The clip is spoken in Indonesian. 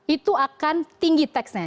itu akan tinggi tax nya